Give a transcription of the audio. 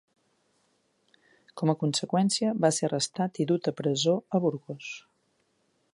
Com a conseqüència, va ser arrestat i dut a presó a Burgos.